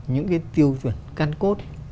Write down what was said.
những cái tiêu chuẩn căn cốt